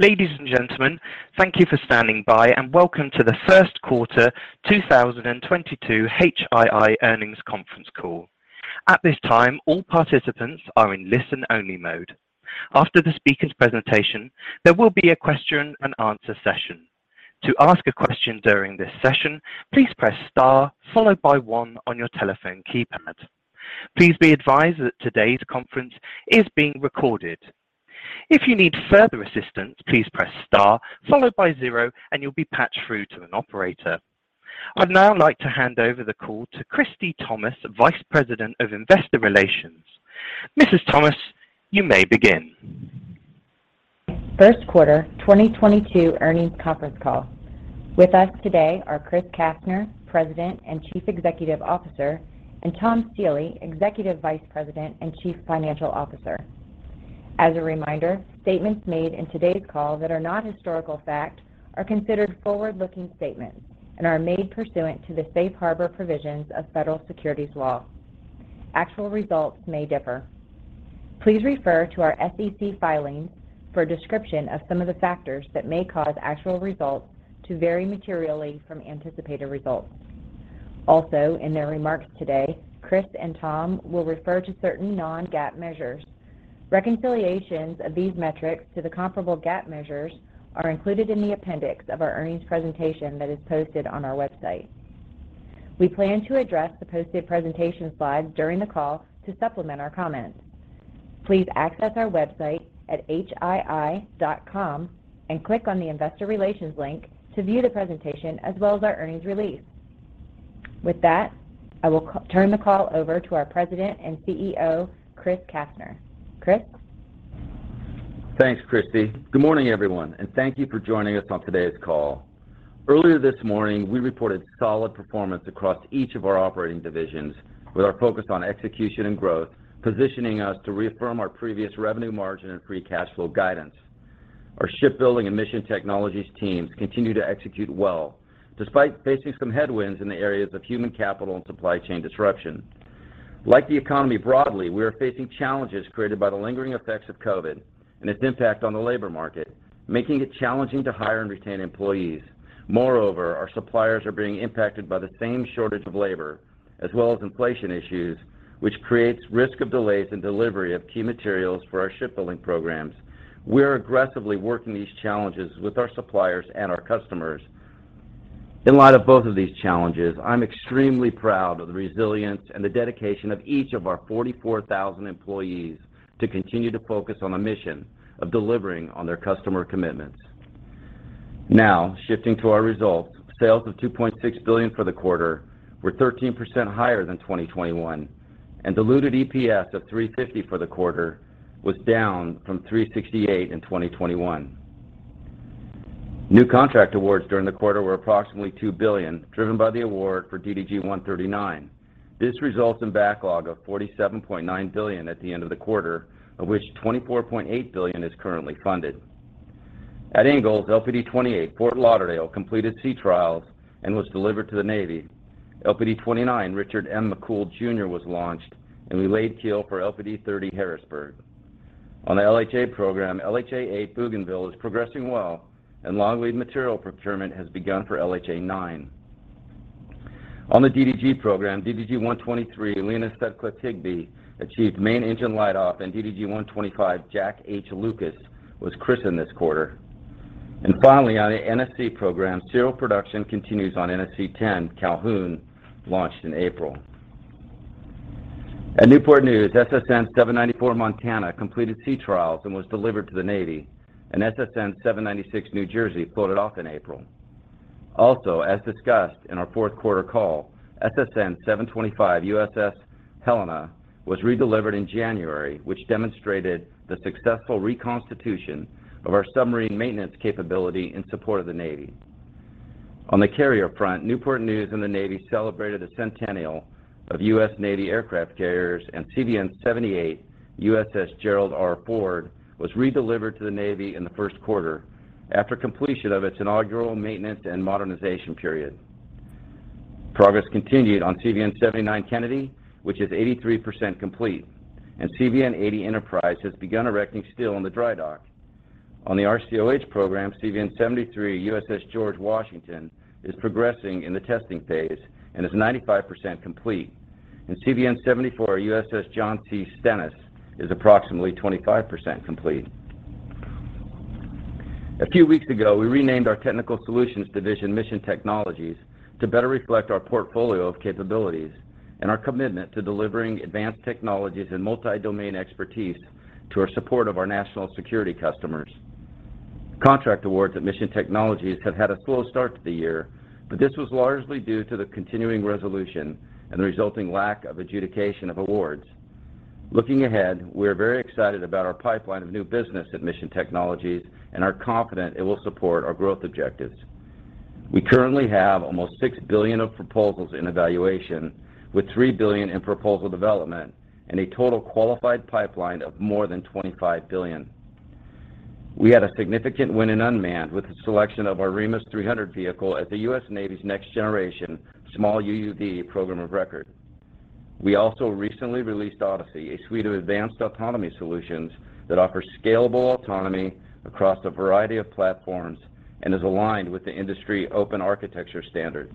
Ladies and gentlemen, thank you for standing by, and welcome to the first quarter 2022 HII earnings conference call. At this time, all participants are in listen-only mode. After the speaker's presentation, there will be a question and answer session. To ask a question during this session, please press star followed by one on your telephone keypad. Please be advised that today's conference is being recorded. If you need further assistance, please press star followed by zero and you'll be patched through to an operator. I'd now like to hand over the call to Christie Thomas, Vice President of Investor Relations. Mrs. Thomas, you may begin. First quarter 2022 earnings conference call. With us today are Chris Kastner, President and Chief Executive Officer, and Tom Stiehle, Executive Vice President and Chief Financial Officer. As a reminder, statements made in today's call that are not historical fact are considered forward-looking statements and are made pursuant to the safe harbor provisions of federal securities law. Actual results may differ. Please refer to our SEC filings for a description of some of the factors that may cause actual results to vary materially from anticipated results. Also, in their remarks today, Chris and Tom will refer to certain non-GAAP measures. Reconciliations of these metrics to the comparable GAAP measures are included in the appendix of our earnings presentation that is posted on our website. We plan to address the posted presentation slides during the call to supplement our comments. Please access our website at hii.com and click on the Investor Relations link to view the presentation as well as our earnings release. With that, I will turn the call over to our President and CEO, Chris Kastner. Chris? Thanks, Christie. Good morning, everyone, and thank you for joining us on today's call. Earlier this morning, we reported solid performance across each of our operating divisions with our focus on execution and growth, positioning us to reaffirm our previous revenue margin and free cash flow guidance. Our shipbuilding and Mission Technologies teams continue to execute well, despite facing some headwinds in the areas of human capital and supply chain disruption. Like the economy broadly, we are facing challenges created by the lingering effects of COVID and its impact on the labor market, making it challenging to hire and retain employees. Moreover, our suppliers are being impacted by the same shortage of labor as well as inflation issues, which creates risk of delays in delivery of key materials for our shipbuilding programs. We are aggressively working these challenges with our suppliers and our customers. In light of both of these challenges, I'm extremely proud of the resilience and the dedication of each of our 44,000 employees to continue to focus on the mission of delivering on their customer commitments. Shifting to our results, sales of $2.6 billion for the quarter were 13% higher than 2021, and diluted EPS of $3.50 for the quarter was down from $3.68 in 2021. New contract awards during the quarter were approximately $2 billion, driven by the award for DDG-139. This results in backlog of $47.9 billion at the end of the quarter, of which $24.8 billion is currently funded. At Ingalls, LPD-28 Fort Lauderdale completed sea trials and was delivered to the Navy. LPD-29 Richard M. McCool Jr. was launched, and we laid keel for LPD-30 Harrisburg. On the LHA program, LHA-8 Bougainville is progressing well, and long-lead material procurement has begun for LHA-9. On the DDG program, DDG-123 Lenah Sutcliffe Higbee achieved main engine light off, and DDG-125 Jack H. Lucas was christened this quarter. Finally, on the NSC program, serial production continues on NSC-10 Calhoun, launched in April. At Newport News, SSN-794 Montana completed sea trials and was delivered to the Navy, and SSN-796 New Jersey floated off in April. Also, as discussed in our fourth quarter call, SSN-725 USS Helena was redelivered in January, which demonstrated the successful reconstitution of our submarine maintenance capability in support of the Navy. On the carrier front, Newport News and the Navy celebrated the centennial of U.S. Navy aircraft carriers, and CVN-78 USS Gerald R. Ford was redelivered to the Navy in the first quarter after completion of its inaugural maintenance and modernization period. Progress continued on CVN-79 Kennedy, which is 83% complete, and CVN-80 Enterprise has begun erecting steel in the dry dock. On the RCOH program, CVN-73 USS George Washington is progressing in the testing phase and is 95% complete, and CVN-74 USS John C. Stennis is approximately 25% complete. A few weeks ago, we renamed our Technical Solutions Division Mission Technologies to better reflect our portfolio of capabilities and our commitment to delivering advanced technologies and multi-domain expertise to our support of our national security customers. Contract awards at Mission Technologies have had a slow start to the year, but this was largely due to the continuing resolution and the resulting lack of adjudication of awards. Looking ahead, we are very excited about our pipeline of new business at Mission Technologies and are confident it will support our growth objectives. We currently have almost $6 billion of proposals in evaluation, with $3 billion in proposal development and a total qualified pipeline of more than $25 billion. We had a significant win in unmanned with the selection of our REMUS 300 vehicle as the U.S. Navy's next-generation small UUV program of record. We also recently released Odyssey, a suite of advanced autonomy solutions that offer scalable autonomy across a variety of platforms and is aligned with the industry open architecture standard.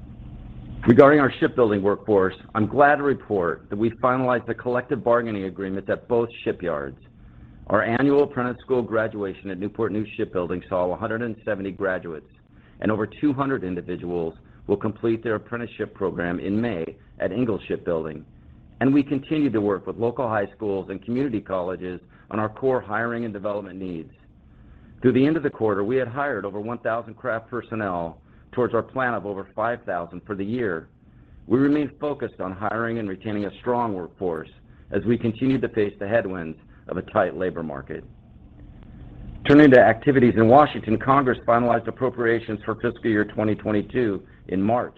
Regarding our shipbuilding workforce, I'm glad to report that we finalized the collective bargaining agreement at both shipyards. Our annual apprentice school graduation at Newport News Shipbuilding saw 170 graduates, and over 200 individuals will complete their apprenticeship program in May at Ingalls Shipbuilding. We continue to work with local high schools and community colleges on our core hiring and development needs. Through the end of the quarter, we had hired over 1,000 craft personnel towards our plan of over 5,000 for the year. We remain focused on hiring and retaining a strong workforce as we continue to face the headwinds of a tight labor market. Turning to activities in Washington, Congress finalized appropriations for fiscal year 2022 in March.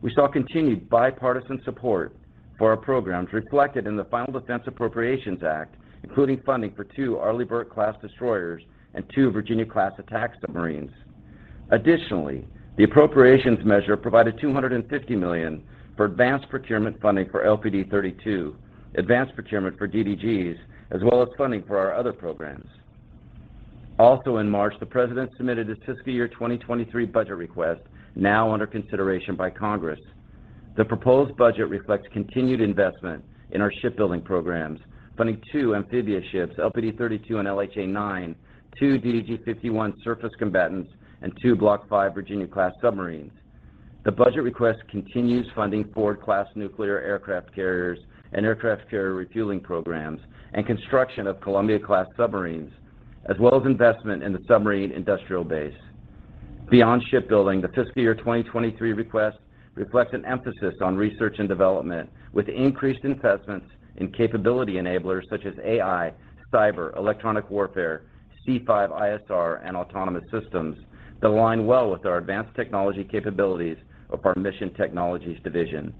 We saw continued bipartisan support for our programs reflected in the final Defense Appropriations Act, including funding for two Arleigh Burke-class destroyers and two Virginia-class attack submarines. Additionally, the appropriations measure provided $250 million for advanced procurement funding for LPD-32, advanced procurement for DDGs, as well as funding for our other programs. Also in March, the President submitted his fiscal year 2023 budget request, now under consideration by Congress. The proposed budget reflects continued investment in our shipbuilding programs, funding two amphibious ships, LPD-32 and LHA-9, two DDG-51 surface combatants, and two Block V Virginia-class submarines. The budget request continues funding for Ford-class nuclear aircraft carriers and aircraft carrier refueling programs and construction of Columbia-class submarines, as well as investment in the submarine industrial base. Beyond shipbuilding, the fiscal year 2023 request reflects an emphasis on research and development, with increased investments in capability enablers such as AI, cyber, electronic warfare, C5ISR, and autonomous systems that align well with our advanced technology capabilities of our Mission Technologies division.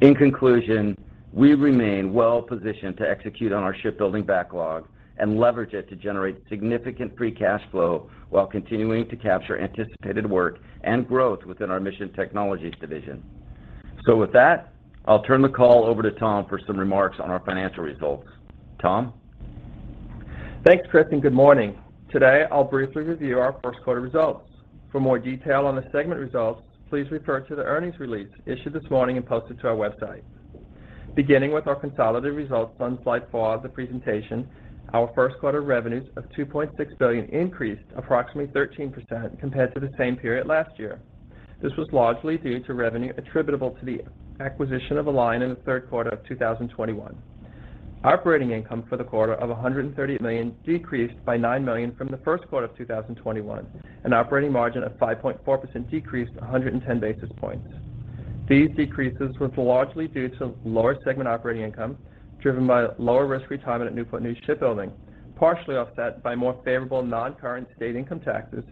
In conclusion, we remain well-positioned to execute on our shipbuilding backlog and leverage it to generate significant free cash flow while continuing to capture anticipated work and growth within our Mission Technologies division. With that, I'll turn the call over to Tom for some remarks on our financial results. Tom? Thanks, Chris, and good morning. Today, I'll briefly review our first quarter results. For more detail on the segment results, please refer to the earnings release issued this morning and posted to our website. Beginning with our consolidated results on slide four of the presentation, our first quarter revenues of $2.6 billion increased approximately 13% compared to the same period last year. This was largely due to revenue attributable to the acquisition of Alion in the third quarter of 2021. Operating income for the quarter of $130 million decreased by $9 million from the first quarter of 2021, and operating margin of 5.4% decreased 110 basis points. These decreases were largely due to lower segment operating income, driven by lower risk retirement at Newport News Shipbuilding, partially offset by more favorable non-current state income taxes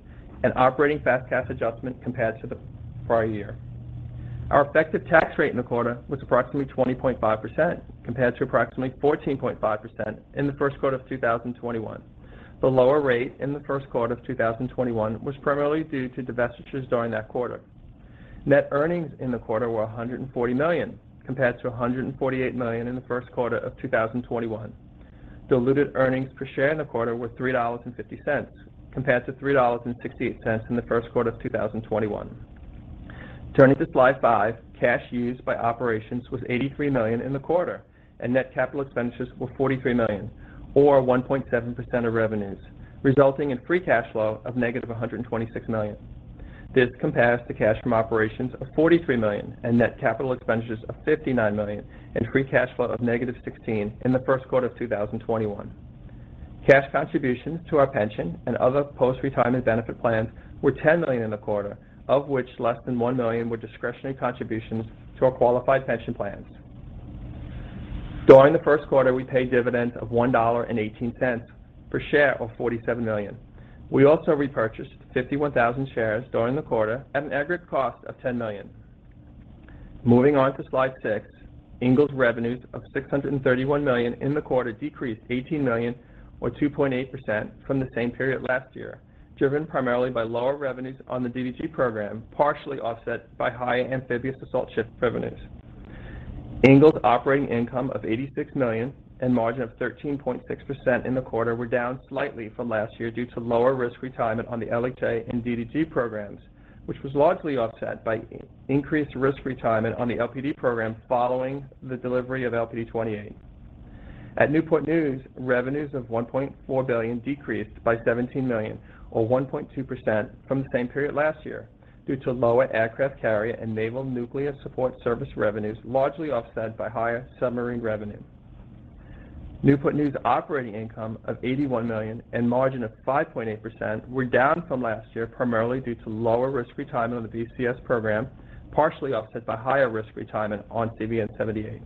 and operating FAS/CAS adjustment compared to the prior year. Our effective tax rate in the quarter was approximately 20.5% compared to approximately 14.5% in the first quarter of 2021. The lower rate in the first quarter of 2021 was primarily due to divestitures during that quarter. Net earnings in the quarter were $140 million compared to $148 million in the first quarter of 2021. Diluted earnings per share in the quarter were $3.50 compared to $3.68 in the first quarter of 2021. Turning to slide five, cash used by operations was $83 million in the quarter, and net capital expenditures were $43 million, or 1.7% of revenues, resulting in free cash flow of -$126 million. This compares to cash from operations of $43 million and net capital expenditures of $59 million and free cash flow of -$16 million in the first quarter of 2021. Cash contributions to our pension and other post-retirement benefit plans were $10 million in the quarter, of which less than $1 million were discretionary contributions to our qualified pension plans. During the first quarter, we paid dividends of $1.18 per share of $47 million. We also repurchased 51,000 shares during the quarter at an aggregate cost of $10 million. Moving on to slide six, Ingalls revenues of $631 million in the quarter decreased $18 million or 2.8% from the same period last year, driven primarily by lower revenues on the DDG program, partially offset by higher amphibious assault ship revenues. Ingalls operating income of $86 million and margin of 13.6% in the quarter were down slightly from last year due to lower risk retirement on the LHA and DDG programs, which was largely offset by increased risk retirement on the LPD program following the delivery of LPD-28. At Newport News, revenues of $1.4 billion decreased by $17 million or 1.2% from the same period last year due to lower aircraft carrier and naval nuclear support service revenues, largely offset by higher submarine revenue. Newport News operating income of $81 million and margin of 5.8% were down from last year primarily due to lower risk retirement on the VCS program, partially offset by higher risk retirement on CVN-78.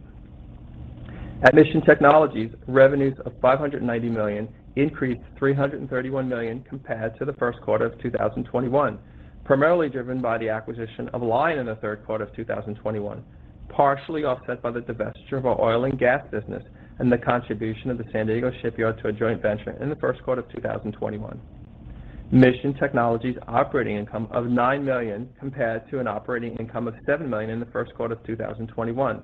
At Mission Technologies, revenues of $590 million increased $331 million compared to the first quarter of 2021, primarily driven by the acquisition of Alion in the third quarter of 2021, partially offset by the divestiture of our oil and gas business and the contribution of the San Diego shipyard to a joint venture in the first quarter of 2021. Mission Technologies operating income of $9 million compared to an operating income of $7 million in the first quarter of 2021.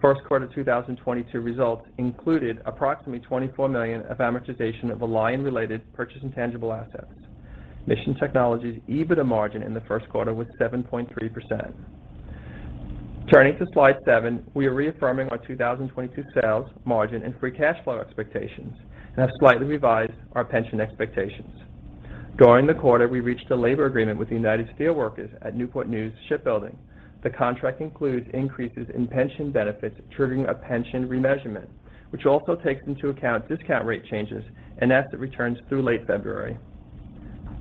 First quarter 2022 results included approximately $24 million of amortization of Alion-related purchase and intangible assets. Mission Technologies EBITDA margin in the first quarter was 7.3%. Turning to slide seven, we are reaffirming our 2022 sales margin and free cash flow expectations and have slightly revised our pension expectations. During the quarter, we reached a labor agreement with the United Steelworkers at Newport News Shipbuilding. The contract includes increases in pension benefits, triggering a pension remeasurement, which also takes into account discount rate changes and asset returns through late February.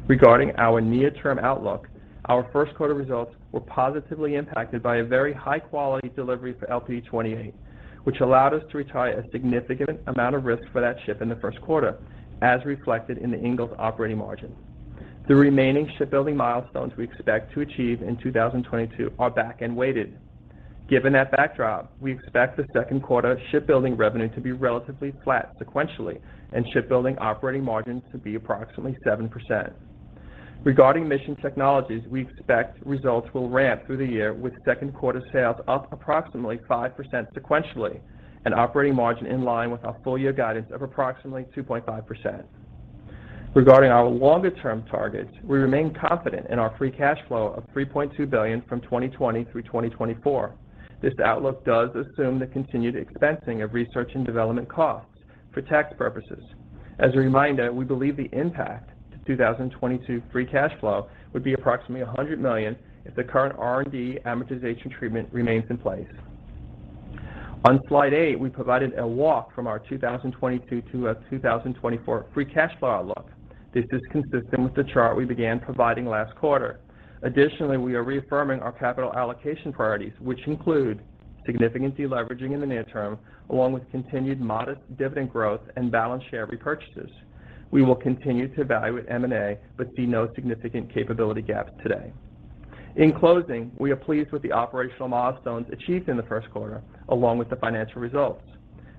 Regarding our near-term outlook, our first quarter results were positively impacted by a very high-quality delivery for LPD-28, which allowed us to retire a significant amount of risk for that ship in the first quarter, as reflected in the Ingalls operating margin. The remaining shipbuilding milestones we expect to achieve in 2022 are back-end weighted. Given that backdrop, we expect the second quarter shipbuilding revenue to be relatively flat sequentially and shipbuilding operating margins to be approximately 7%. Regarding Mission Technologies, we expect results will ramp through the year, with second quarter sales up approximately 5% sequentially and operating margin in line with our full year guidance of approximately 2.5%. Regarding our longer-term targets, we remain confident in our free cash flow of $3.2 billion from 2020 through 2024. This outlook does assume the continued expensing of research and development costs for tax purposes. As a reminder, we believe the impact to 2022 free cash flow would be approximately $100 million if the current R&D amortization treatment remains in place. On slide eight, we provided a walk from our 2022 to our 2024 free cash flow outlook. This is consistent with the chart we began providing last quarter. Additionally, we are reaffirming our capital allocation priorities, which include significant deleveraging in the near term, along with continued modest dividend growth and balanced share repurchases. We will continue to evaluate M&A but see no significant capability gaps today. In closing, we are pleased with the operational milestones achieved in the first quarter, along with the financial results.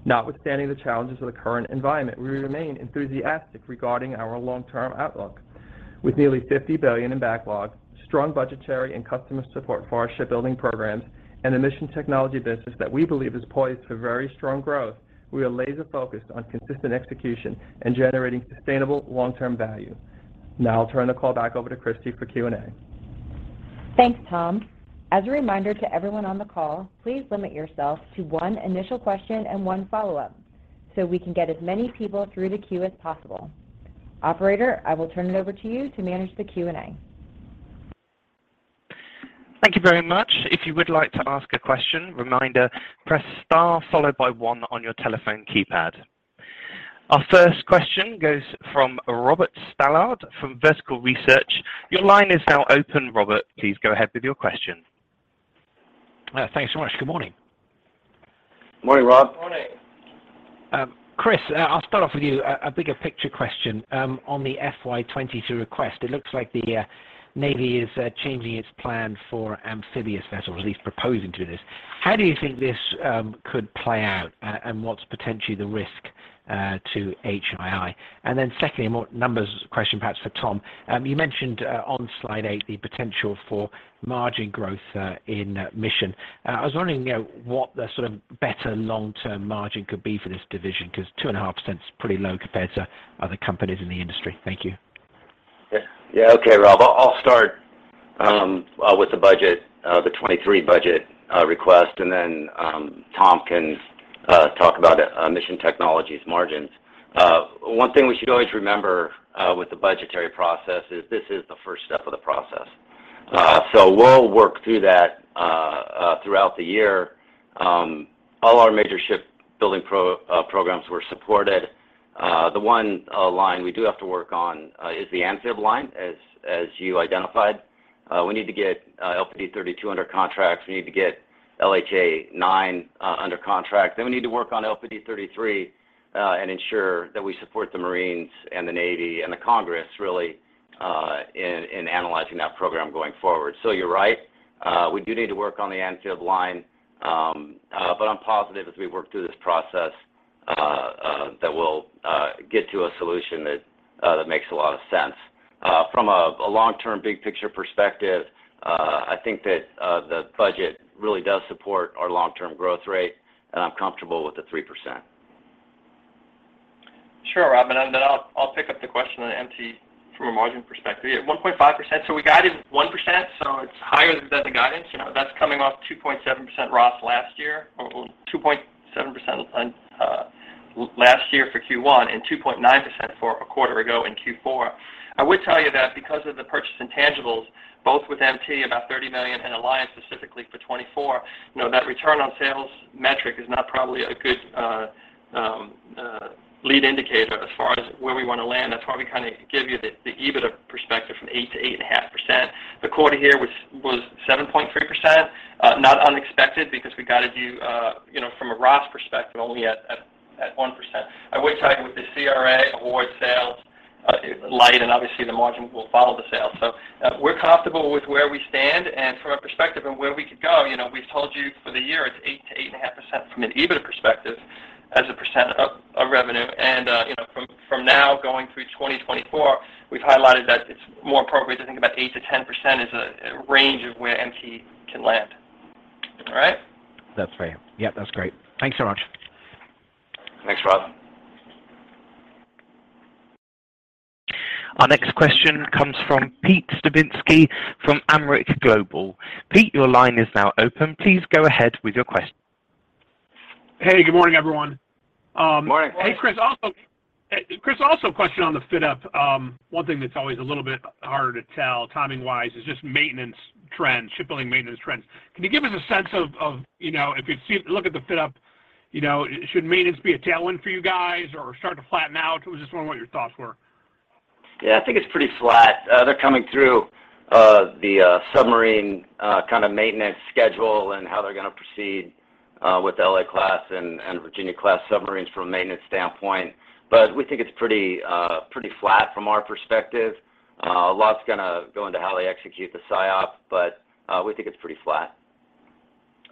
Notwithstanding the challenges of the current environment, we remain enthusiastic regarding our long-term outlook. With nearly $50 billion in backlog, strong budgetary and customer support for our shipbuilding programs, and a mission technology business that we believe is poised for very strong growth, we are laser-focused on consistent execution and generating sustainable long-term value. Now I'll turn the call back over to Christie for Q&A. Thanks, Tom. As a reminder to everyone on the call, please limit yourself to one initial question and one follow-up so we can get as many people through the queue as possible. Operator, I will turn it over to you to manage the Q&A. Thank you very much. If you would like to ask a question, as a reminder, press star followed by one on your telephone keypad. Our first question goes from Robert Stallard from Vertical Research Partners. Your line is now open, Robert. Please go ahead with your question. Thanks so much. Good morning. Morning, Rob. Morning. Chris, I'll start off with you. A bigger picture question on the FY 2022 request. It looks like the Navy is changing its plan for amphibious vessels, at least proposing this. How do you think this could play out, and what's potentially the risk to HII? Secondly, a more numbers question perhaps for Tom. You mentioned on slide eight, the potential for margin growth in mission. I was wondering, you know, what the sort of better long-term margin could be for this division? Because 2.5% is pretty low compared to other companies in the industry. Thank you. Yeah. Yeah. Okay, Rob. I'll start with the budget, the 2023 budget request, and then, Tom can talk about Mission Technologies margins. One thing we should always remember with the budgetary process is this is the first step of the process. We'll work through that throughout the year. All our major shipbuilding programs were supported. The one line we do have to work on is the amphib line, as you identified. We need to get LPD-32 under contract. We need to get LHA-9 under contract. Then we need to work on LPD-33 and ensure that we support the Marines and the Navy and the Congress really in analyzing that program going forward. You're right. We do need to work on the amphib line, but I'm positive as we work through this process that we'll get to a solution that makes a lot of sense. From a long-term, big picture perspective, I think that the budget really does support our long-term growth rate, and I'm comfortable with the 3%. Sure, Rob. I'll pick up the question on MT from a margin perspective. Yeah, 1.5%. We guided 1%, so it's higher than the guidance. You know, that's coming off 2.7% ROS last year, or 2.7% last year for Q1, and 2.9% for a quarter ago in Q4. I would tell you that because of the purchased intangibles, both with MT, about $30 million, and Alion specifically for $24 million, you know, that return on sales metric is not probably a good leading indicator as far as where we want to land. That's why we kind of give you the EBITDA perspective from 8%-8.5%. The quarter here was 7.3%, not unexpected because we guided you know, from a ROS perspective only at 1%. I would tell you with the CR award sales light, and obviously the margin will follow the sales. We're comfortable with where we stand and from a perspective of where we could go. You know, we've told you for the year it's 8%-8.5% from an EBITDA perspective. As a percent of revenue. You know, from now going through 2024, we've highlighted that it's more appropriate to think about 8%-10% as a range of where MT can land. All right? That's fair. Yep, that's great. Thanks so much. Thanks, Rob. Our next question comes from Pete Skibitski from Alembic Global Advisors. Pete, your line is now open. Please go ahead with your question. Hey, good morning, everyone. Morning. Hey, Chris, also a question on the FYDP. One thing that's always a little bit harder to tell timing-wise is just maintenance trends, shipbuilding maintenance trends. Can you give us a sense of, you know, look at the FYDP, you know, should maintenance be a tailwind for you guys or starting to flatten out? I was just wondering what your thoughts were. Yeah, I think it's pretty flat. They're coming through the submarine kind of maintenance schedule and how they're gonna proceed with LA-class and Virginia-class submarines from a maintenance standpoint. We think it's pretty flat from our perspective. A lot's gonna go into how they execute the SIOP, but we think it's pretty flat.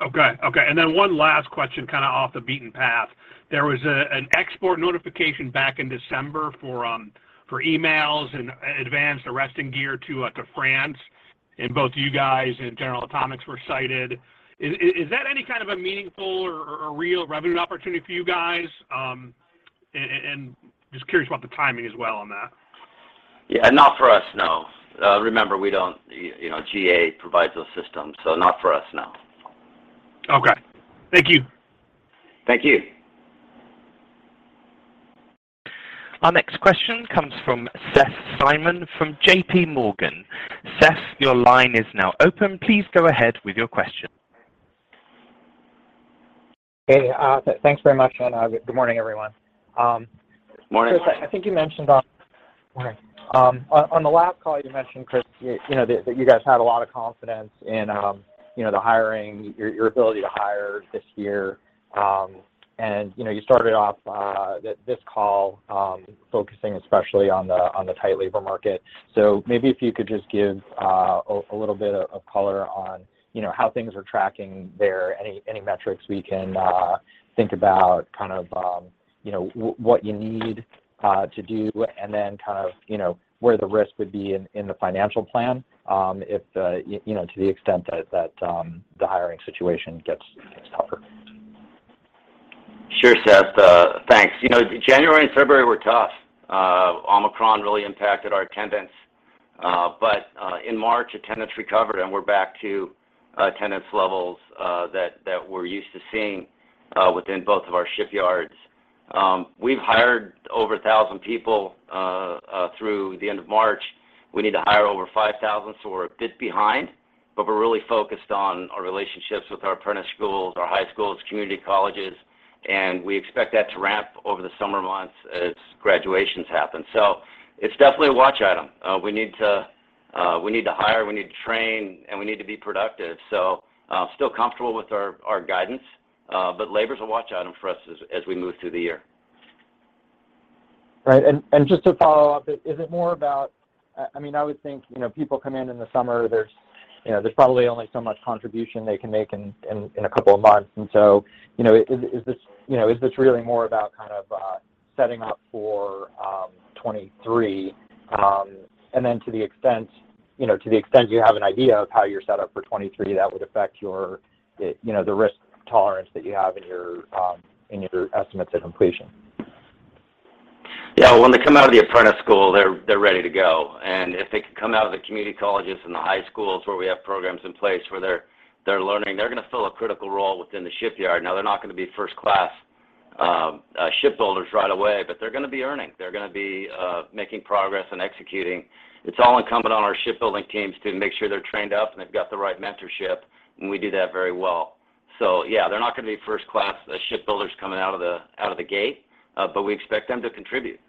Okay. One last question kind of off the beaten path. There was an export notification back in December for EMALS and advanced arresting gear to France. Both you guys and General Atomics were cited. Is that any kind of a meaningful or a real revenue opportunity for you guys? Just curious about the timing as well on that. Yeah. Not for us, no. Remember, we don't, you know, GA provides those systems, so not for us, no. Okay. Thank you. Thank you. Our next question comes from Seth Seifman from J.P. Morgan. Seth, your line is now open. Please go ahead with your question. Hey, thanks very much. Good morning, everyone. Morning. Chris, I think you mentioned on the last call, you know, that you guys had a lot of confidence in, you know, the hiring, your ability to hire this year. You know, you started off this call focusing especially on the tight labor market. Maybe if you could just give a little bit of color on, you know, how things are tracking there. Any metrics we can think about kind of, you know, what you need to do and then kind of, you know, where the risk would be in the financial plan, if, you know, to the extent that the hiring situation gets tougher. Sure, Seth. Thanks. You know, January and February were tough. Omicron really impacted our attendance. In March, attendance recovered, and we're back to attendance levels that we're used to seeing within both of our shipyards. We've hired over 1,000 people through the end of March. We need to hire over 5,000, so we're a bit behind. We're really focused on our relationships with our apprentice schools, our high schools, community colleges, and we expect that to ramp over the summer months as graduations happen. It's definitely a watch item. We need to hire, we need to train, and we need to be productive. Still comfortable with our guidance, but labor's a watch item for us as we move through the year. Right. Just to follow up, is it more about I mean, I would think, you know, people come in in the summer. There's, you know, probably only so much contribution they can make in a couple of months. You know, is this really more about kind of setting up for 2023? To the extent you have an idea of how you're set up for 2023, that would affect your, you know, the risk tolerance that you have in your estimates at completion. Yeah. When they come out of the apprentice school, they're ready to go. If they can come out of the community colleges and the high schools where we have programs in place where they're learning, they're gonna fill a critical role within the shipyard. Now, they're not gonna be first-class shipbuilders right away, but they're gonna be earning. They're gonna be making progress and executing. It's all incumbent on our shipbuilding teams to make sure they're trained up, and they've got the right mentorship, and we do that very well. Yeah, they're not gonna be first-class shipbuilders coming out of the gate, but we expect them to contribute.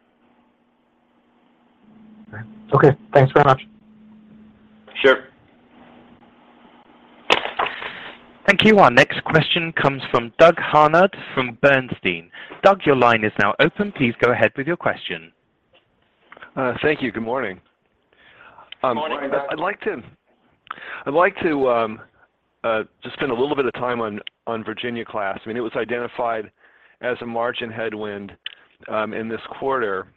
Okay. Thanks very much. Sure. Thank you. Our next question comes from Doug Harned from Bernstein. Doug, your line is now open. Please go ahead with your question. Thank you. Good morning. Good morning, Doug. I'd like to just spend a little bit of time on Virginia-class. I mean, it was identified as a margin headwind in this quarter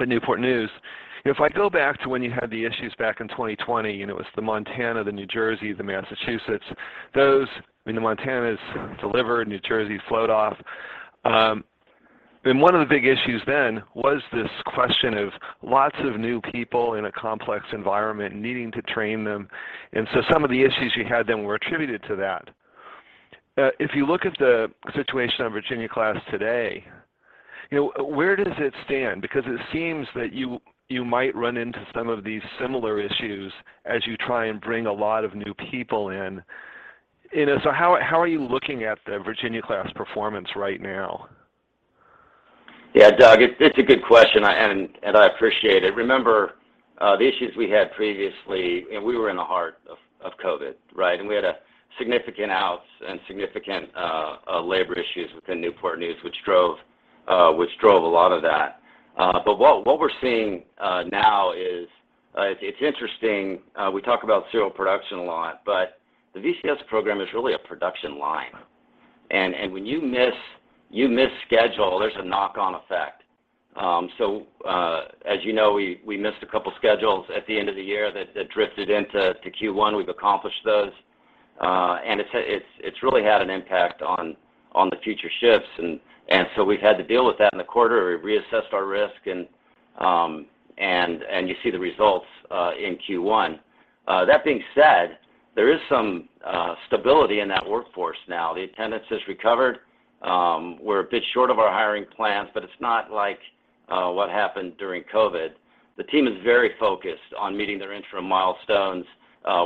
and in Newport News. If I go back to when you had the issues back in 2020, and it was the Montana, the New Jersey, the Massachusetts, those, I mean, the Montana is delivered, New Jersey float off. Then one of the big issues then was this question of lots of new people in a complex environment needing to train them. Some of the issues you had then were attributed to that. If you look at the situation on Virginia-class today, you know, where does it stand? Because it seems that you might run into some of these similar issues as you try and bring a lot of new people in. How are you looking at the Virginia-class performance right now? Yeah, Doug, it's a good question, and I appreciate it. Remember the issues we had previously, and we were in the heart of COVID, right? We had significant outages and significant labor issues within Newport News, which drove a lot of that. What we're seeing now is it's interesting. We talk about serial production a lot, but the VCS program is really a production line. When you miss, you miss schedule, there's a knock-on effect. As you know, we missed a couple schedules at the end of the year that drifted into Q1. We've accomplished those. It's really had an impact on the future shifts, and so we've had to deal with that in the quarter. We've reassessed our risk and you see the results in Q1. That being said, there is some stability in that workforce now. The attendance has recovered, we're a bit short of our hiring plans, but it's not like what happened during COVID. The team is very focused on meeting their interim milestones,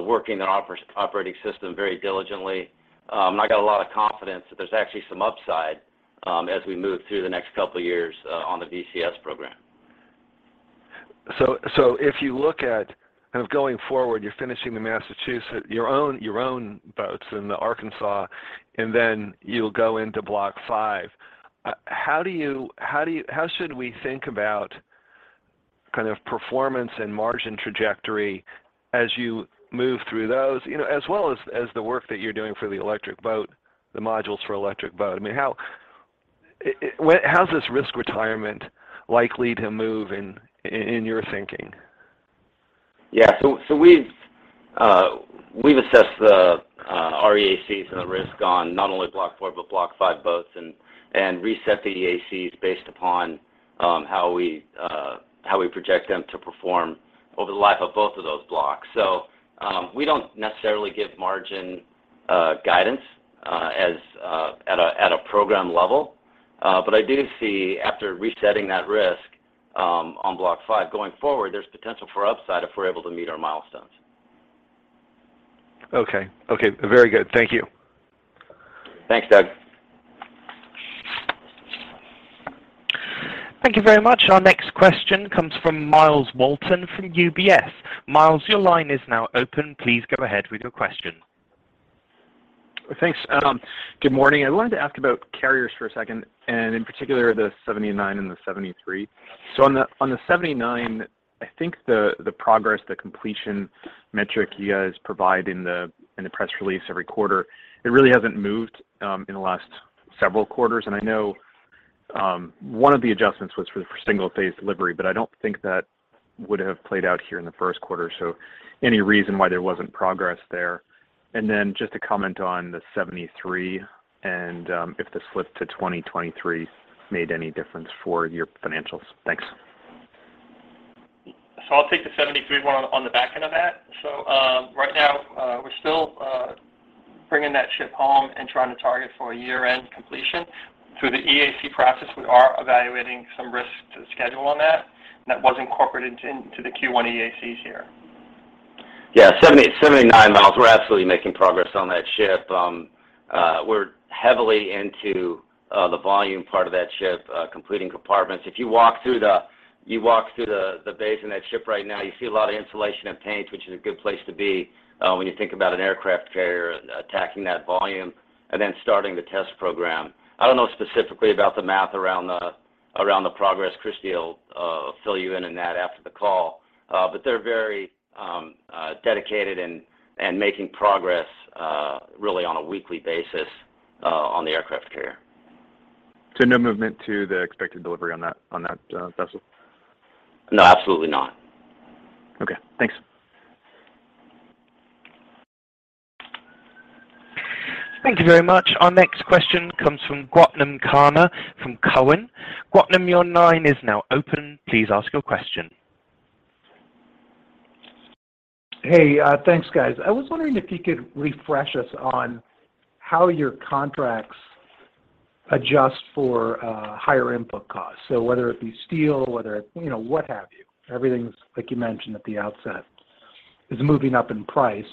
working their operating system very diligently. I got a lot of confidence that there's actually some upside as we move through the next couple of years on the VCS program. If you look at kind of going forward, you're finishing the USS Massachusetts, your own boats in the USS Arkansas, and then you'll go into Block V. How should we think about kind of performance and margin trajectory as you move through those? You know, as well as the work that you're doing for Electric Boat, the modules for Electric Boat. I mean, how's this risk retirement likely to move in your thinking? Yeah. We've assessed the EACs and the risk on not only Block IV, but Block V boats and reset the EACs based upon how we project them to perform over the life of both of those blocks. We don't necessarily give margin guidance at a program level. But I do see after resetting that risk on Block V going forward, there's potential for upside if we're able to meet our milestones. Okay. Okay, very good. Thank you. Thanks, Doug. Thank you very much. Our next question comes from Myles Walton from UBS. Myles, your line is now open. Please go ahead with your question. Thanks. Good morning. I wanted to ask about carriers for a second, and in particular the 79 and the 73. On the 79, I think the progress, the completion metric you guys provide in the press release every quarter, it really hasn't moved in the last several quarters. I know one of the adjustments was for the single phase delivery, but I don't think that would have played out here in the first quarter. Any reason why there wasn't progress there? Then just to comment on the 73 and if the slip to 2023 made any difference for your financials. Thanks. I'll take the 73 one on the back end of that. Right now, we're still bringing that ship home and trying to target for a year-end completion. Through the EAC process, we are evaluating some risks to the schedule on that. That was incorporated into the Q1 EACs here. Yeah. CVN-79, Myles, we're absolutely making progress on that ship. We're heavily into the volume part of that ship, completing compartments. If you walk through the base in that ship right now, you see a lot of insulation and paint, which is a good place to be when you think about an aircraft carrier and attacking that volume and then starting the test program. I don't know specifically about the math around the progress. Christie will fill you in on that after the call. But they're very dedicated and making progress really on a weekly basis on the aircraft carrier. No movement to the expected delivery on that vessel? No, absolutely not. Okay. Thanks. Thank you very much. Our next question comes from Gautam Khanna from Cowen. Gautam, your line is now open. Please ask your question. Hey, thanks, guys. I was wondering if you could refresh us on how your contracts adjust for higher input costs. Whether it be steel, you know, what have you. Everything's, like you mentioned at the outset, is moving up in price.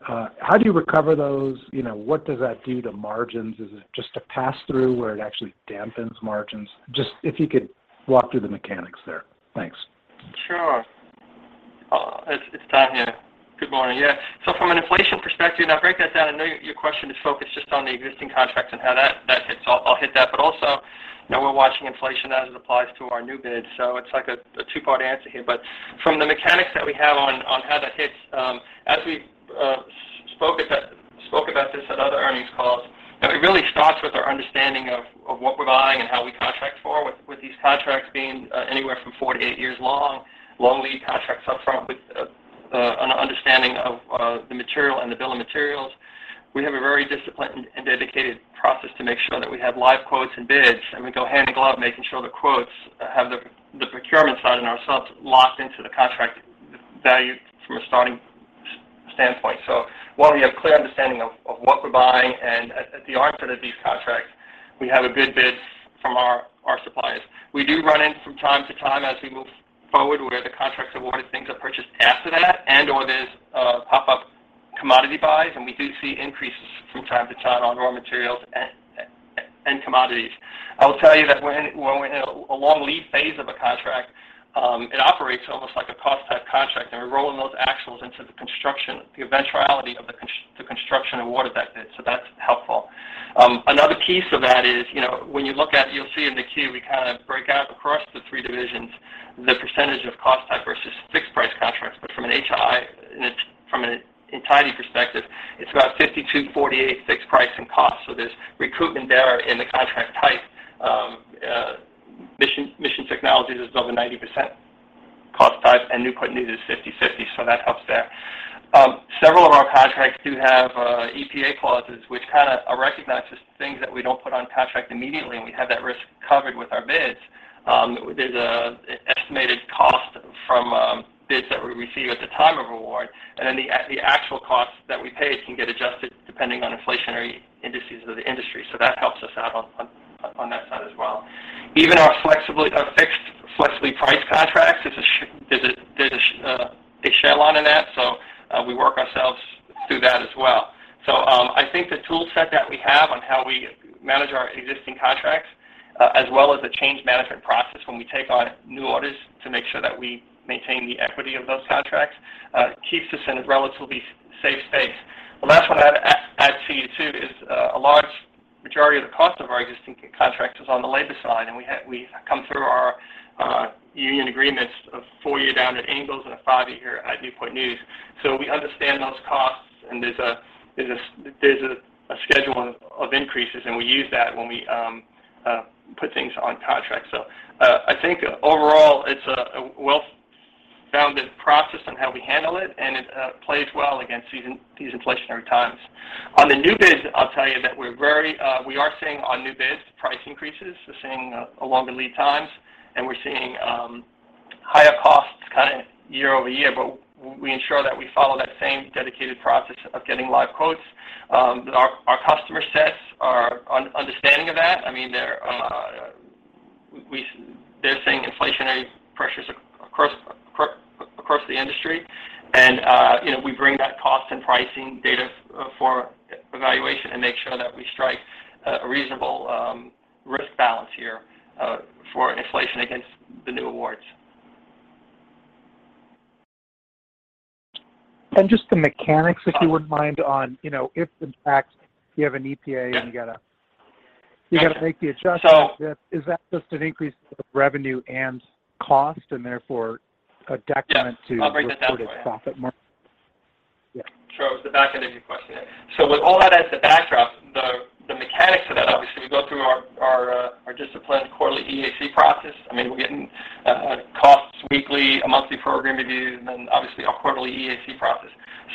How do you recover those? You know, what does that do to margins? Is it just a pass-through or it actually dampens margins? Just if you could walk through the mechanics there. Thanks. Sure. It's Tom Stiehle here. Good morning. Yeah. From an inflation perspective, and I'll break that down. I know your question is focused just on the existing contracts and how that hits. I'll hit that. Also, you know, we're watching inflation as it applies to our new bids. It's like a two-part answer here. From the mechanics that we have on how that hits, as we spoke about this at other earnings calls, it really starts with our understanding of what we're buying and how we contract for. With these contracts being anywhere from four-eight years long, long lead contracts up front with an understanding of the material and the bill of materials. We have a very disciplined and dedicated process to make sure that we have live quotes and bids, and we go hand in glove making sure the quotes have the procurement side and ourselves locked into the contract value from a starting standpoint. While we have clear understanding of what we're buying and at the onset of these contracts, we have a good bid from our suppliers. We do run into from time to time as we move forward, where the contract's awarded, things are purchased after that and/or there's pop-up commodity buys, and we do see increases from time to time on raw materials and commodities. I will tell you that when we're in a long lead phase of a contract, it operates almost like a cost type contract, and we're rolling those expenses into the construction, the eventual award of that bid, that's helpful. Another piece of that is, when you look at, you'll see in the queue, we kind of break out across the three divisions, the percentage of cost type versus fixed price contracts. From an HII perspective, it's from an enterprise perspective, it's about 52/48 fixed price and cost. There's recoupment there in the contract type. Mission Technologies is over 90% cost type, and Newport News is 50/50, that helps there. Several of our contracts do have EPA clauses, which kind of are recognized as things that we don't put on contract immediately, and we have that risk covered with our bids. There's an estimated cost from bids that we receive at the time of award, and then the actual cost that we pay can get adjusted depending on inflationary indices of the industry. That helps us out on that side as well. Even our fixed flexibly priced contracts, there's a ceiling on it, so we work ourselves through that as well. I think the tool set that we have on how we manage our existing contracts, as well as the change management process when we take on new orders to make sure that we maintain the equity of those contracts, keeps us in a relatively safe space. The last one I'd add to you, too, is a large majority of the cost of our existing contracts is on the labor side, and we have come through our union agreements of four-year down at Ingalls and a five-year at Newport News. We understand those costs, and there's a schedule of increases, and we use that when we put things on contract. I think overall it's a well-founded process on how we handle it, and it plays well against these inflationary times. On the new bids, I'll tell you that we are seeing on new bids price increases. We're seeing longer lead times, and we're seeing higher costs kind of year-over-year, but we ensure that we follow that same dedicated process of getting live quotes. Our customers are understanding of that. I mean, they're seeing inflationary pressures across the industry. You know, we bring that cost and pricing data for evaluation and make sure that we strike a reasonable risk balance here for inflation against the new awards. Just the mechanics, if you wouldn't mind, on, you know, if in fact you have an EPA and you gotta make the adjustment. So- Is that just an increase of revenue and cost, and therefore a decrement to? Yeah. I'll break that down for you. reported profit margin? Yeah. Sure. The back end of your question. With all that as the backdrop, the mechanics of that, obviously, we go through our disciplined quarterly EAC process. I mean, we're getting costs weekly, a monthly program review, and then obviously our quarterly EAC process.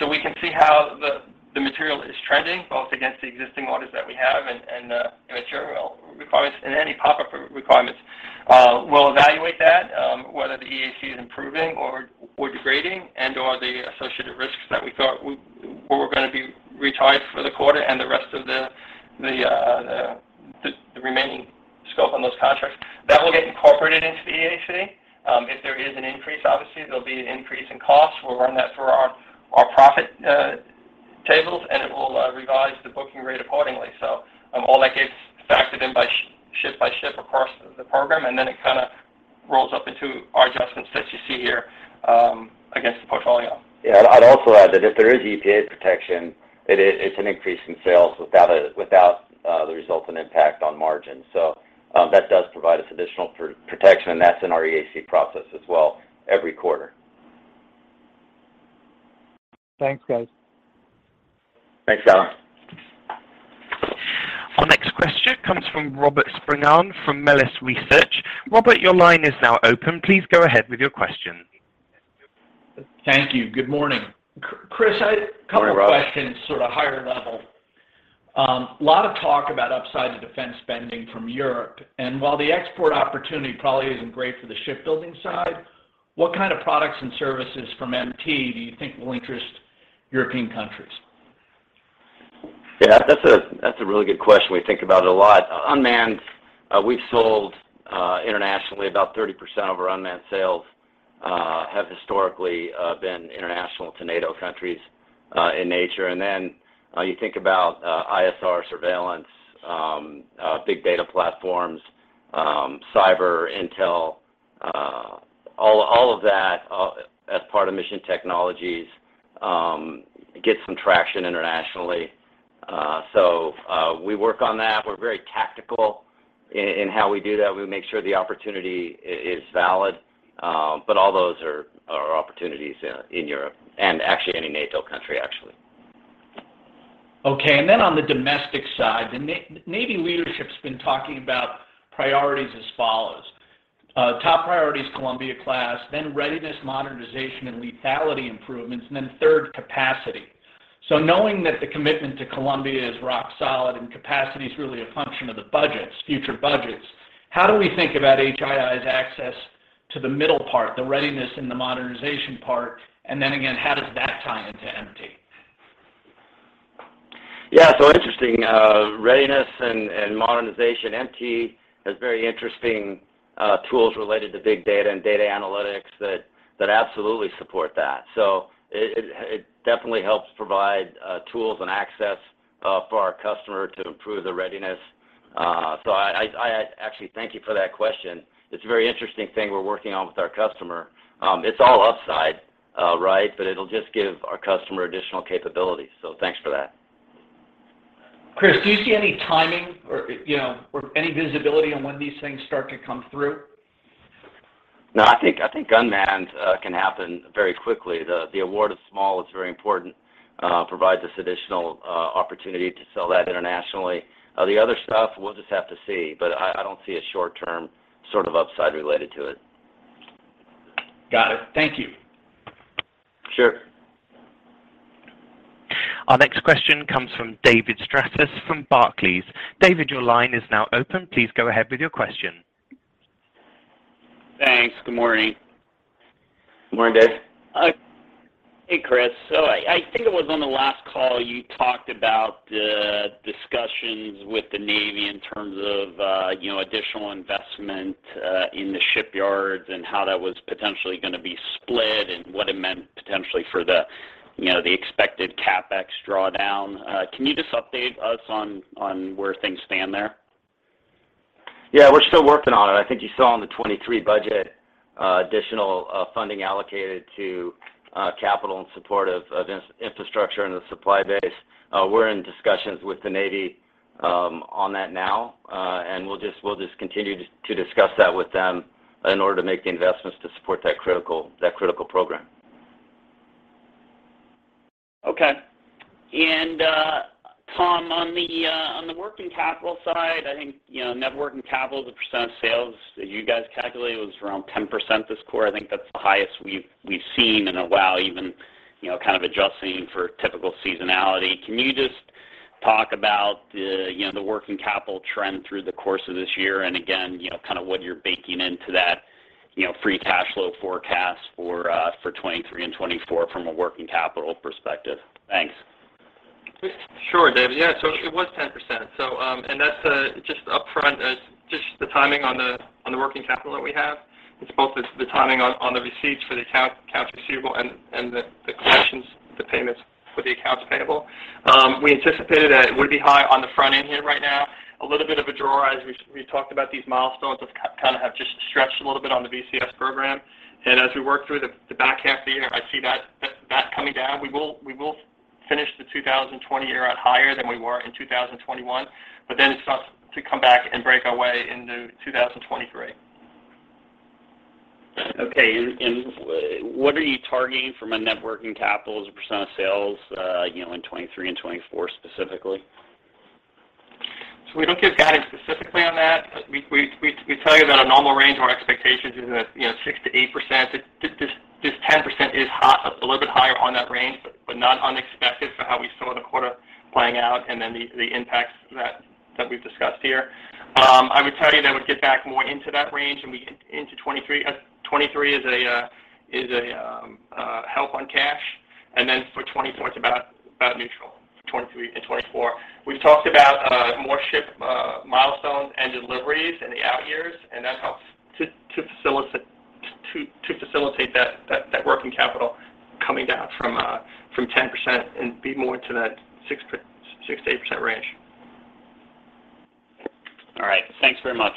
We can see how the material is trending, both against the existing orders that we have and material requirements and any pop-up requirements. We'll evaluate that, whether the EAC is improving or degrading and/or the associated risks that we thought were gonna be retired for the quarter and the rest of the remaining scope on those contracts. That will get incorporated into the EAC. If there is an increase, obviously, there'll be an increase in costs. We'll run that through our profit tables, and it will revise the booking rate accordingly. All that gets factored in by ship by ship across the program, and then it kind of rolls up into our adjustments that you see here against the portfolio. Yeah. I'd also add that if there is EPA protection, it's an increase in sales without the resultant impact on margin. That does provide us additional protection, and that's in our EAC process as well every quarter. Thanks, guys. Thanks, Gautam. Our next question comes from Robert Spingarn from Melius Research. Robert, your line is now open. Please go ahead with your question. Thank you. Good morning. Chris, I had- Good morning, Rob. A couple of questions, sort of higher level. A lot of talk about upside to defense spending from Europe, and while the export opportunity probably isn't great for the shipbuilding side, what kind of products and services from MT do you think will interest European countries? Yeah, that's a really good question. We think about it a lot. Unmanned, we've sold internationally about 30% of our unmanned sales have historically been international to NATO countries in nature. You think about ISR surveillance, big data platforms, cyber intel, all of that as part of Mission Technologies gets some traction internationally. We work on that. We're very tactical in how we do that. We make sure the opportunity is valid, but all those are opportunities in Europe and actually any NATO country, actually. Okay. On the domestic side, the Navy leadership's been talking about priorities as follows. Top priority is Columbia-class, then readiness, modernization, and lethality improvements, and then third, capacity. Knowing that the commitment to Columbia is rock solid and capacity is really a function of the budgets, future budgets, how do we think about HII's access to the middle part, the readiness and the modernization part? Again, how does that tie into MT? Interesting readiness and modernization. MT has very interesting tools related to big data and data analytics that absolutely support that. It definitely helps provide tools and access for our customer to improve the readiness. I actually thank you for that question. It's a very interesting thing we're working on with our customer. It's all upside, right? But it'll just give our customer additional capabilities. Thanks for that. Chris, do you see any timing or, you know, or any visibility on when these things start to come through? No, I think unmanned can happen very quickly. The award is small, it's very important, provides us additional opportunity to sell that internationally. The other stuff, we'll just have to see, but I don't see a short-term sort of upside related to it. Got it. Thank you. Sure. Our next question comes from David Strauss from Barclays. David, your line is now open. Please go ahead with your question. Thanks. Good morning. Good morning, Dave. Hey, Chris. I think it was on the last call, you talked about the discussions with the Navy in terms of, you know, additional investment in the shipyards and how that was potentially gonna be split and what it meant potentially for the, you know, the expected CapEx drawdown. Can you just update us on where things stand there? Yeah, we're still working on it. I think you saw in the 2023 budget additional funding allocated to capital in support of this infrastructure and the supply base. We're in discussions with the Navy on that now, and we'll just continue to discuss that with them in order to make the investments to support that critical program. Okay. Tom, on the working capital side, I think, you know, net working capital, the percent of sales that you guys calculated was around 10% this quarter. I think that's the highest we've seen in a while, even, you know, kind of adjusting for typical seasonality. Can you just talk about you know, the working capital trend through the course of this year? Again, you know, kind of what you're baking into that, you know, free cash flow forecast for 2023 and 2024 from a working capital perspective. Thanks. Sure, Dave. Yeah. It was 10%. That's just upfront as just the timing on the working capital that we have. It's both the timing on the receipts for the accounts receivable and the collections, the payments for the accounts payable. We anticipated that it would be high on the front end here right now. A little bit of a draw as we've talked about these milestones of kind of have just stretched a little bit on the VCS program. As we work through the back half of the year, I see that coming down. We will finish the 2020 year out higher than we were in 2021, but then it starts to come back and break our way into 2023. What are you targeting from a net working capital as a % of sales, you know, in 2023 and 2024 specifically? We don't give guidance specifically on that. We tell you that a normal range of our expectations is at 6%-8%. This 10% is high, a little bit higher on that range, but not unexpected for how we saw the quarter playing out and then the impacts that we've discussed here. I would tell you that would get back more into that range and we get into 2023. 2023 is a help on cash. Then for 2024, it's about neutral, 2023 and 2024. We've talked about more ship milestones and deliveries in the out years, and that helps to facilitate that working capital coming down from 10% and be more to that 6%-8% range. All right. Thanks very much.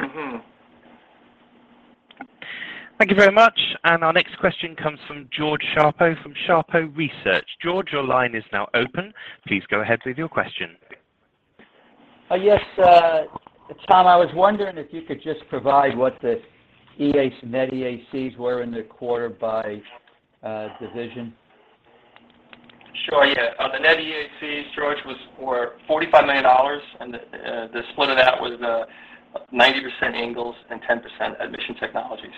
Mm-hmm. Thank you very much. Our next question comes from George Shapiro from Shapiro Research. George, your line is now open. Please go ahead with your question. Yes, Tom, I was wondering if you could just provide what the EACs and net EACs were in the quarter by division. Sure, yeah. The net EACs, George, were $45 million, and the split of that was 90% Ingalls and 10% Mission Technologies.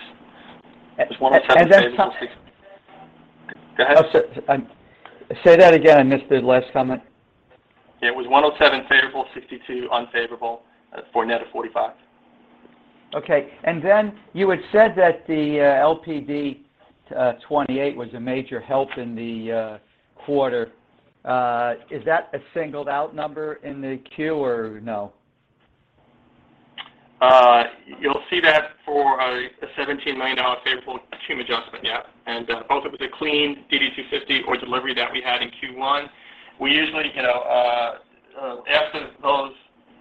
It was 107 favorable sixty- And then some- Go ahead. Oh, say that again, I missed the last comment. Yeah, it was $107 favorable, $62 unfavorable, for a net of $45. Okay. You had said that the LPD 28 was a major help in the quarter. Is that a singled out number in the Q or no? You'll see that for a $17 million favorable stream adjustment. Both it was a clean DD 250 or delivery that we had in Q1. We usually, you know, after those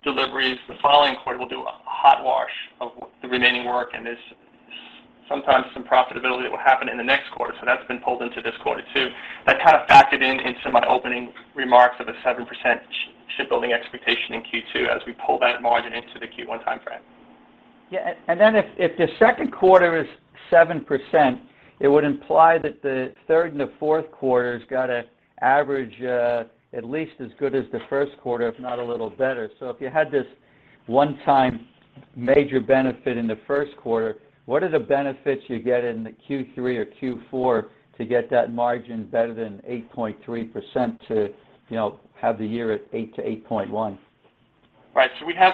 deliveries, the following quarter, we'll do a hot wash of the remaining work, and there's sometimes some profitability that will happen in the next quarter. That's been pulled into this quarter too. That's kind of factored in into my opening remarks of a 7% shipbuilding expectation in Q2 as we pull that margin into the Q1 timeframe. Yeah. Then if the second quarter is 7%, it would imply that the third and the fourth quarters got to average at least as good as the first quarter, if not a little better. If you had this one time major benefit in the first quarter, what are the benefits you get in the Q3 or Q4 to get that margin better than 8.3%, you know, have the year at 8%-8.1%? Right. We have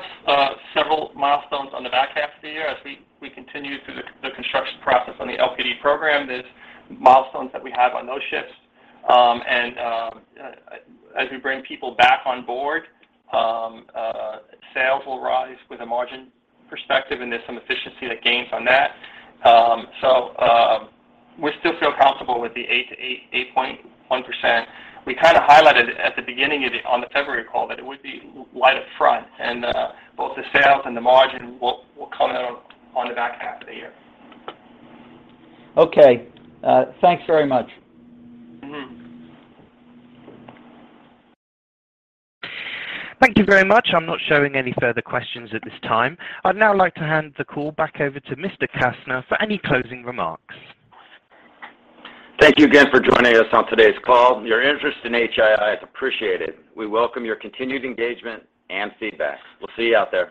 several milestones on the back half of the year as we continue through the construction process on the LPD program. There's milestones that we have on those ships. As we bring people back on board, sales will rise from a margin perspective, and there's some efficiency gains on that. We still feel comfortable with the 8% to 8.1%. We kind of highlighted at the beginning, on the February call that it would be light up front and both the sales and the margin will come out on the back half of the year. Okay. Thanks very much. Mm-hmm. Thank you very much. I'm not showing any further questions at this time. I'd now like to hand the call back over to Mr. Kastner for any closing remarks. Thank you again for joining us on today's call. Your interest in HII is appreciated. We welcome your continued engagement and feedback. We'll see you out there.